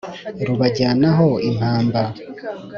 rubajyanaho impamba